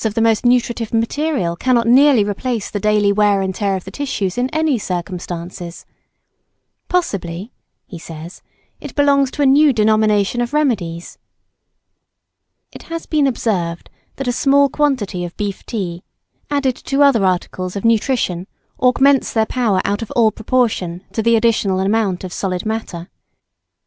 of the most nutritive material cannot nearly replace the daily wear and tear of the tissues in any circumstances. Possibly," he says, "it belongs to a new denomination of remedies." It has been observed that a small quantity of beef tea added to other articles of nutrition augments their power out of all proportion to the additional amount of solid matter.